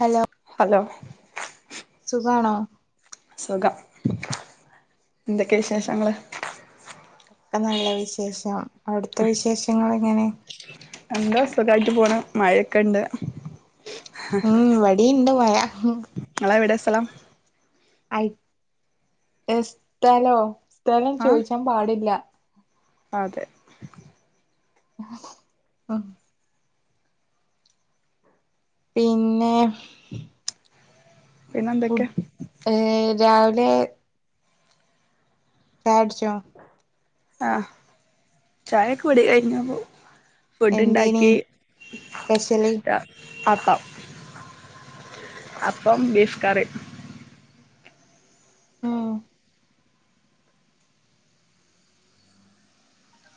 Hello hello സുകാണോ സുഖം എന്തൊക്കെ വിശേഷങ്ങള് ഇവ്ടെ നല്ല വിശേഷം അവിടുത്തെ വിശേഷങ്ങള് എങ്ങനെ എന്താ സുഖായിട്ട് പോണ് മഴ ഒക്കെ ഇണ്ട് ഉം ഇവടിം ഇണ്ട് മഴ ഇങ്ങളെവിടെ സ്ഥലം എ സ്ഥലോ സ്ഥലം ആഹ് ചോദിച്ചാൻ പാടില്ല അതെ ഓഹ് [inaudible] പിന്നെ പിന്നെ എന്തൊക്കെ ഏ രാവിലെ ചായട്ചോ ആ ചായ കുടി കഴിഞ്ഞാ പോവും ഫുഡ് എന്തേനി ഉണ്ടാക്കി സ്പെഷ്യല് അപ്പം അപ്പം ബീഫ് കറി മം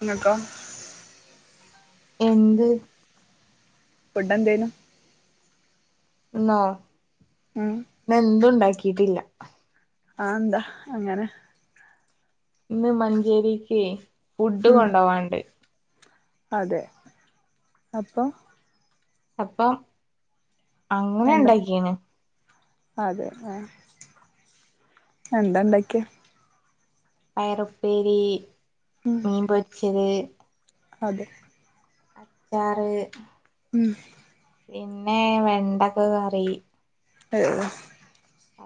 ഇങ്ങക്കോ എന്ത്? ഫുഡ് എന്തേനു ഇന്നോ ഉം ന്ന് എന്തുണ്ടാക്കിട്ടില്ല ആന്താ അങ്ങനെ ഇന്ന് മഞ്ചേരിക്കെ ഫുഡ് ഉം കൊണ്ടൊവാൻണ്ട് അതെ അപ്പൊ അപ്പം വേണ്ട അങ്ങനണ്ടാക്കീന് അതെ ആഹ് എന്താ ഇണ്ടാക്കിയേ പയറുപ്പേരി മം മീൻ പൊരിച്ചത് അതെ അച്ചാറ് ഉം പിന്നെ വെണ്ടക്ക കറി [inaudible]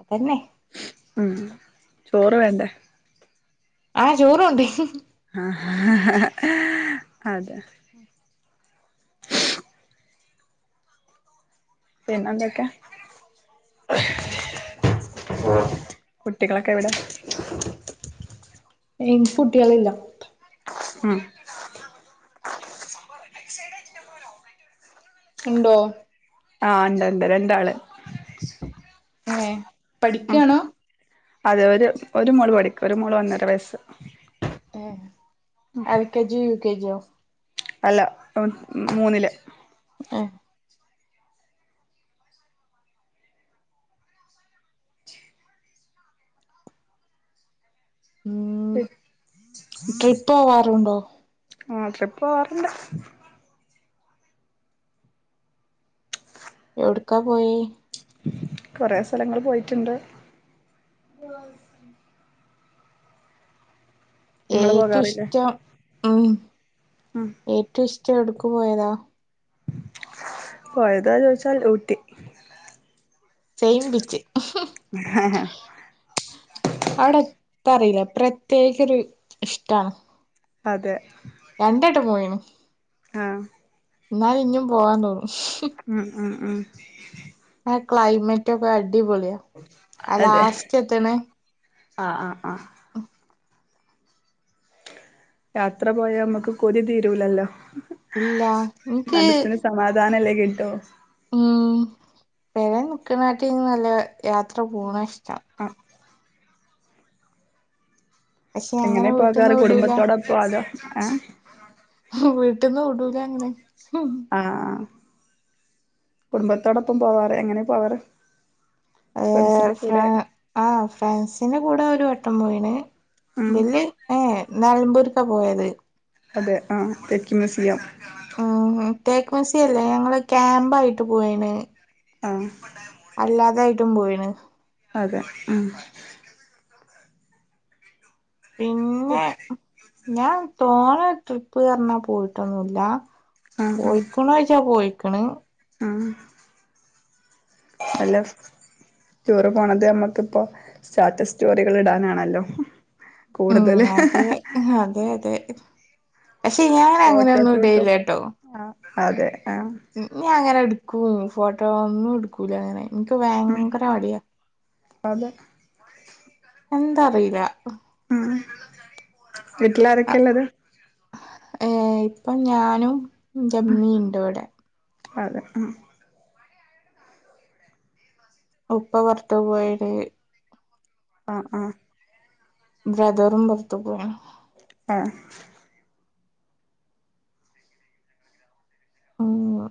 അതന്നെ ഉം ചോറ് വേണ്ടേ ആഹ് ചോറുണ്ട് [unintelligible] ആഹ് അതെ പിന്നെന്തൊക്കെയാ [inaudible] [unintelligible] കുട്ടികളൊക്കെവിടെ [inaudible] എൻക്ക് കുട്ടികളില്ലാ ഉം ഉണ്ടോ ആഹ് ഇണ്ട് ഇണ്ട് രണ്ടാള് ഏഹ് ഉം അതെ ഒരു ഒരു മോള് പഠിക്ക് ഒരു മോള് ഒന്നര വയസ്സ് ഏഹ് എൽ കെജിയോ യു കെജിയോ അല്ല മോൻ മൂന്നില് ഏഹ് [inaudible] ട്രിപ്പോവാറുണ്ടോ ആഹ് ട്രിപ്പോവാറുണ്ട് എവിട്ക്കാ പോയേ കൊറേ സ്ഥലങ്ങള് പോയിട്ട്ണ്ട്. [unintelligible] നിങ്ങള് ഏറ്റം പോകാറില്ലേ ഇഷ്ടം ഉം ഉം ഏറ്റം ഇഷ്ടം എവിടേക്കുപോയതാ പോയതാ ചോദിച്ചാൽ ഊട്ടി സെയിംബിച്ച് [inaudible] അവിടെത്തറിയില്ല പ്രത്യേകൊരു ഇഷ്ടാണ് അതെ രണ്ട് വെട്ടം പോയേനു ആഹ് എന്നാല് ഇഞ്ഞും പോവാൻ തോന്നും [unintelligible] ഉം ഉം ഉം ആ ക്ലൈമറ്റോക്കെ അടിപൊള്യാ. ആ അതെ ലാസ്റ്റ് എത്ത്ണെ ആഹ്, ആഹ്, ആഹ്. യാത്രപോയാമ്മക്ക് കൊതി തീരൂലല്ലോ. ഇല്ലാ. ൻക്ക് വാതാനല്ലെ കിട്ടൂ. ഉം പെരേ നിക്ക്ണാട്ടീൽനല്ലത് യാത്ര പോണാഷ്ടം. ആഹ്. പക്ഷെ അങ്ങനെ എങ്ങനെ വീട്ട്ന്ന് പോകാറ്, വിടൂല കുടുംബത്തോടപോ അതോ ഏഹ് വീട്ട്ന്ന് വിടൂലങ്ങനെ. ഹും ആഹ് ആഹ് കുടുംബത്തോടൊപ്പം പോവാറ്, എങ്ങനെ പോവാറ്? ഏഹ്, ഫ്രണ്ട്സിന്റെ ഫ്രാ കൂടെ ആഹ് ഫ്രൻസിൻ്റെ കൂടെ ഒരു വട്ടം പോയിണ്. ഉം ബില്ല് ഏഹ്, ഏഹ് നെൽമ്പൂര്ക്കാ പോയത്. അതെ ആഹ് തേക്ക് മ്യൂസിയം. ഉം തേക്ക്മ്യൂസിയല്ലെ ഞങ്ങള് ക്യാമ്പായിട്ട് പോയീണ്. ആഹ്. അല്ലാതയിട്ടും പോയിണ്. അതെ, ആഹ് പിന്നെ, ഞാൻ തോനെ ട്രിപ്പ്അർണാ പോയിട്ടൊന്നുല്ലാ. ആഹ് പോയിക്ക്ണോയ്ച്ചാ പോയിക്ക്ണ്. ഉം. അല്ലസ് ടൂറ് പോണത് അമ്മക്ക്പ്പോ സ്റ്റാറ്റസ് സ്റ്റോറികള്ടാനാണല്ലൊ. കൂട്തല് അതെ ഉം, അതെ അതെ. പക്ഷെ ഞാൻ അങ്ങനെയൊന്നും ഫോട്ടോസൂട്ടും. ഇടേല്ല ആഹ് അതെ ആഹ്. ഉം, ഞ്യാങ്ങനെട്ക്കും ഫോട്ടോ ഒന്നുട് കൂലാങ്ങനെ ൻക്ക് ഉം വയങ്കര മടിയാ അതെ എന്താറീലാ. ആഹ് വീട്ട്ലാരൊക്കെള്ളത്. ഏഹ്, ഇപ്പം ഞാനും ൻ്റെമ്മീണ്ട് വടെ. അതെ, ഉം ഉപ്പ പൊർത്ത് പോയിണ്. ആഹ് ആഹ് ബ്രദറും പൊർത്ത് പോണ് ആഹ് ആഹ് ആഹ്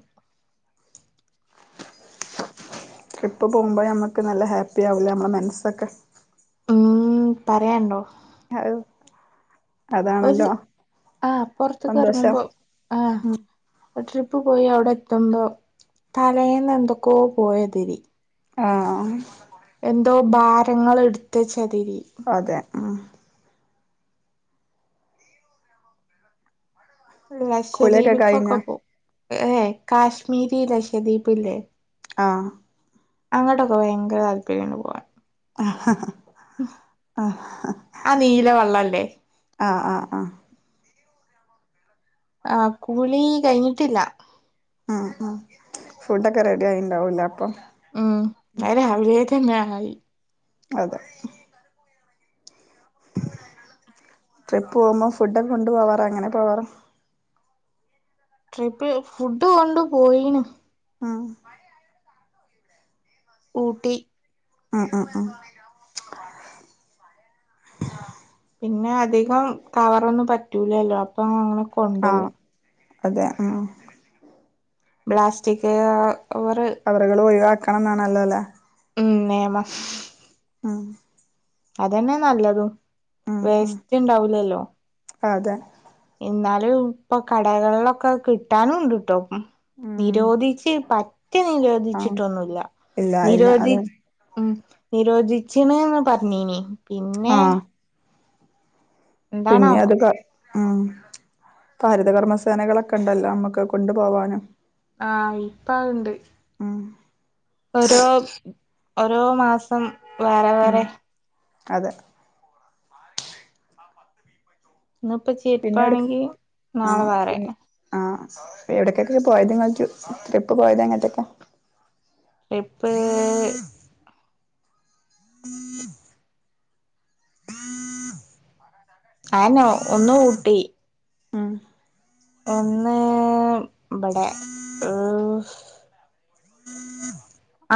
ട്രിപ്പ് പോകുമ്പ നമുക്ക് നല്ല ഹാപ്പിയാവൂല്ലേ നമ്മളെ മനസ്സൊക്കെ ഉം പറയാണ്ടോ അഹ് ഒരു ആ സന്തോഷം പൊറത്ത്ക്കെറങ്ങുമ്പോ ആ ഉം ട്രിപ്പ് പോയി അവ്ടെ എത്തുമ്പോ തലേന്ന് എന്തൊക്കോ പോയാത്‌രി ആഹ് എന്തോ ഭാരങ്ങള്ട്ത്തെച്ചാതിരി അതെ ആ കുളിയൊക്കെ ലക്ഷദ്വീപ് ക്കൊക്കെ കഴിഞ്ഞോ പോവും ഏഎ കാശ്മീരി ലക്ഷദ്വീപ് ല്ലേ ആഹ് അങ്ങട്ടൊക്കെ ഭയങ്കര താല്പര്യം ണ്ട് പോവാൻ ആഹ് ഹഹഹ ആ നീല വള്ളല്ലേ ആഹ് ആഹ് ആഹ് ആഹ് കുളീ കഴിഞ്ഞിട്ടില്ല ആഹ് ആഹ് ഫുഡൊക്കെ റെഡി ആയിണ്ടാവുംലെ അപ്പൊ ഉം അത് രാവിലേ തന്നായി അതെ ട്രിപ്പ് പോവുമ്പോ ഫുഡൊക്കെ കൊണ്ടു പോവാറോ എങ്ങനെ പോവാറ്? ട്രിപ്പ് ഫുഡ് കൊണ്ട് പോയീനു ആഹ് ഊട്ടി ആഹ് ആഹ് ആഹ് പിന്നെ അധികം കവറൊന്നും പറ്റൂലല്ലോ അപ്പം അങ്ങനെ കൊണ്ടോവും ആഹ് അതെ ആഹ് ബ്ലാസ്റ്റിക് കാ വറ് കവറുകൾ ഒഴിവാക്കണം ന്നാണല്ലോല്ലേ ഉം നെയെമാ ആഹ് അതെന്നെ നല്ലതും ഉം ഉം വേസ്റ്റ് ണ്ടാവൂലല്ലോ അതെ ഇന്നാലും ഇപ്പൊ കടകളിലൊക്കെ കിട്ടാനും ണ്ട്ട്ടോ ഉം ഉം നിരോധിച്ച് പറ്റെ ആഹ് നിരോധിച്ചിട്ടൊന്നുല്ല ഇല്ല ഇല്ല നിരോധി അതെ ഉം നിരോധിച്ചിണ്ന്ന് പറഞ്ഞീനി പിന്നെ ആഹ് പിന്നെ എന്താണാവോ അത് ക ആഹ് പ്പൊ ഹരിതകർമ്മസേനകളൊക്കെണ്ടല്ലോ നമ്മക്കത് കൊണ്ട് പോവാന് ആഹ് ഇപ്പ അത്ണ്ട് ഉം ഓരോ ഓരോ മാസം വേറെ ഉം വേറെ അതെ ന്ന്പ്പ പിന്നെ ചെര്പ്പാണെങ്കി നാളെ വേറെ ആഹ് എവ്ടെക്കെക്കെ പോയത് ങ്ങൾ ട്രി ട്രിപ്പ് പോയതെങ്ങട്ടൊക്കെ? ടിപ്പ് അയന്നെ ഒന്നൂട്ടി ആഹ് ഒന്ന് ബ്ബടെ ഏഹ്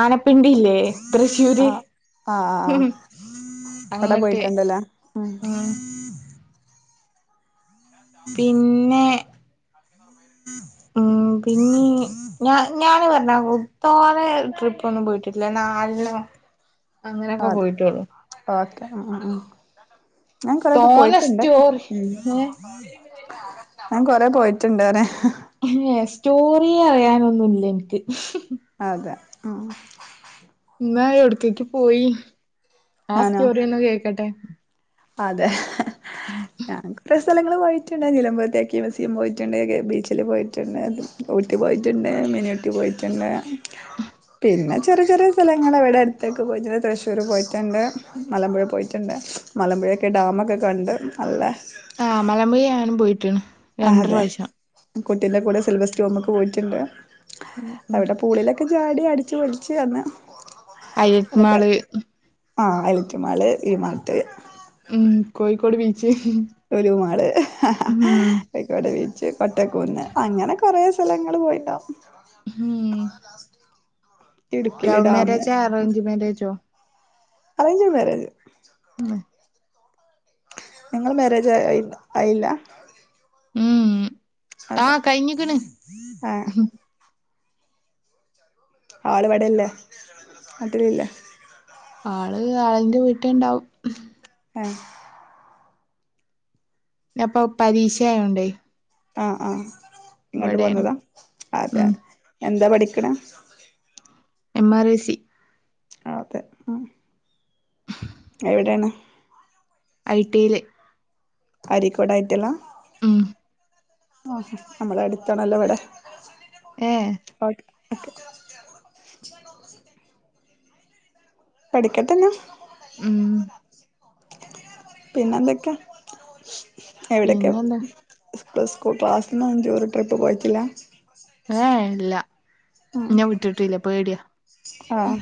ആനപ്പിണ്ടില്ലേ തൃശ്ശൂര് ആ ആ ആ ആ ഉം അവിടെ അങ്ങട്ട് പോയിട്ടുണ്ടല്ലേ ഉം പിന്നെ ഉം പിന്നീ ഞ ഞാന് പറഞ്ഞ കു ത്തോനെ ട്രിപ്പൊന്നും പോയിട്ടില്ല നാലെണ്ണോ അങ്ങനെക്കെ ആ അതെ പോയിട്ടാെള്ളു ഓക്കെ ഉം ഉം ഞാൻ കൊറേക്കെ തോനെ പോയിട്ടുണ്ട് സ്റ്റോറി ഞാൻ കൊറെ പോയിട്ട്ണ്ട് അങ്ങനെ ഏ സ്റ്റോറി അറിയാനൊന്നുല്ല ഇൻക്ക് അതെ ആഹ് ഇന്ന എവിടെകേക്ക പോയി. ആ ഞാനോ സ്റ്റോറിയൊന്ന് കേക്കട്ടെ. അതെ ഉം ഞാൻ സ്ഥലങ്ങള് പോയിട്ടുണ്ടെങ്കിലും നിലമ്പൂർ തേക്ക്മ്യൂസിയം പോയിട്ടുണ്ട് ബീച്ചില് പോയിട്ടുണ്ട് ഊട്ടി പോയിട്ട്ണ്ട് മിനി ഊട്ടി പോയിട്ട്ണ്ട് പിന്നെ ചെറ്യെ ചെറ്യെ സ്ഥലങ്ങള് വിടെ അട്ത്തെക്കെ പോയിട്ടുണ്ട് തൃശ്ശൂര് പോയിട്ടുണ്ട് മലമ്പുഴ പോയിട്ടുണ്ട് മലമ്പുഴയൊക്കെ ഡാമൊക്കെ കണ്ട് നല്ലെ ആഹ് മലമ്പുഴ ഞാനും പോയിട്ട്ണ് ആഹ് അതെ കുട്ടീന്റെ കൂടെ സിൽവർ സ്റ്റോമ്ക്ക് പോയിട്ടുണ്ട് അവിടെ പൂളിലൊക്കെ ചാടി അടിച്ചു പൊളിച്ചു അന്ന് ഹൈലൈറ്റ് അതൊക്കെ മാള് ആഹ് ഹൈലൈറ്റ് മാള്, ഇ-മാർട്ട് ഉം കോയിക്കോട് ബീച്ച് ലുലു മാള് ഉം ക്കോട് ബീച്ച്, കോട്ടക്കുന്ന് അങ്ങനെ കൊറെ സ്ഥലങ്ങള് പോയിണ്ടാവും. ഉം ഇടുക്കിലെ ലവ് ഡാമ്. മാരേജാ ഉം അറേഞ്ച് മാരേജോ അറേഞ്ച് മാരേജ് [unintelligible] നിങ്ങളെ മാരേജ് ആയി ആയില്ല? ഉം അതെ ആഹ് കഴിഞ്ഞിക്ക്ണ്. ആഹ് ആള് ഇവിടെല്ലേ? നാട്ടിലില്ലേ? ആള് ആളിന്റെ വീട്ട്ണ്ടാവും. ആഹ് ഞ പ്പം പരീക്ഷ ആയോണ്ടേ ആഹ് ആഹ് ഇങ്ങട്ട് ഇവിടേണ് പോന്നതാ? അതെ ഉം എന്താ പഠിക്ക്ണേ? എം ആർ എ സി അതെ മ് എവിടെണ്? ഐ ടി ല് അരീക്കോട് ഐ ടി ഐ യില. ഉം ആഹ് നമ്മളെ അടുത്താണല്ലോ ഇവിടെ ഏഹ് ഓക്കെ ഓക്കെ പഠിക്കട്ടെന്ന ഉം പിന്നെന്തൊക്കെയാ എവിടൊക്കെയ പിന്നെന്താ [unintelligible] സ്കൂൾ ക്ലാസ്ന്നൊന്നും ടൂറ് ട്രിപ്പ് പോയിട്ടില്ല? ഏഹ് ഇല്ല. ആഹ് ഇന്നെ വിട്ടിട്ടില്ല പേടിയ. ആഹ്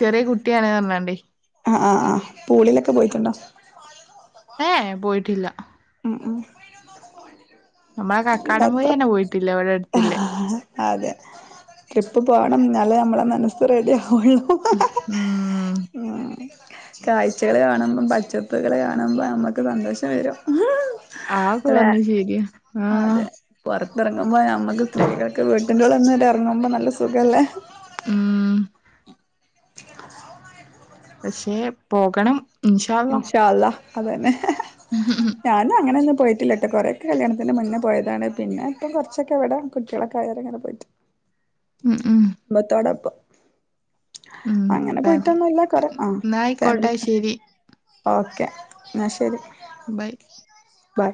ചെറിയ കുട്ടിയാണ് പറ്ഞ്ഞാണ്ടേ. ആ ആ ആ പൂളിലൊക്കെ പോയിട്ട്ണ്ടോ? ഏഹ് പോയിട്ടില്ല. ഉം ഉം നമ്മളെ കക്കാടം എത്ര പൊയിലെന്നെ പോയിട്ടില്ല. ഇവിടെ അട്ത്ത്ള്ളേ. അതെ ട്രിപ്പ് പോണം. ന്നാലെ നമ്മളെ മന റെഡിയാവോള്ളൂ. ഉം ഉം കാഴ്ചകള് കാണുമ്പം പച്ചപ്പ്കള് കാണുമ്പ അമ്മക്ക് സന്തോഷം വരും. ആഹ് ക്കെ പറഞ്ഞത് ശരിയ ആഹ് പുറത്തിറങ്ങുമ്പോ നമ്മക്ക് സ്ത്രീകൾക്ക് വീട്ടിൻ്റെ ഉള്ള്ന്ന് ഇങ്ങട്ട് ഇറങ്ങുമ്പോ നല്ല സുഖല്ലേ ഉം പക്ഷെ പോകണം. ഇൻഷാ അള്ള അത് തന്നെ അള്ളാ ഞാ ഞാങ്ങനൊന്നും പോയിട്ടില്ലട്ടോ കൊറെയൊക്കെ കല്യാണത്തിൻ്റെ മുന്നേ പോയതാണ്. പിന്നെ ഇപ്പം കുറച്ചൊക്കെ ഇവിടെ കുട്ടിയളൊക്കെ ആയേരെ ഇങ്ങനെ പോയിട്ട് ഉം ഉം ബത്തോടപ്പം ഉം അങ്ങനെ ഫാമിലി പോയിട്ടൊന്നുല്ല കൊറെ ആ ഫാമിലി ന്നായിക്കോട്ടെ ശരി ഓക്കെ ന്നാ ശെരി. Bye bye